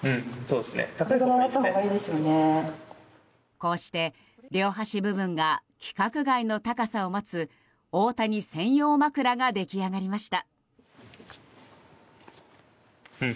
こうして両端部分が規格外の高さを持つ大谷専用枕が出来上がりました。